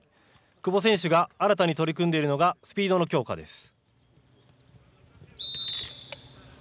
久保選手が新たに取り組んでいるのがスピードの強化です。